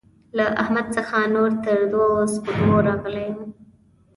له احمد څخه نور تر دوو سپږمو راغلی يم.